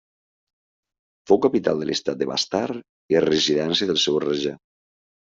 Fou capital de l'estat de Bastar i residència del seu rajà.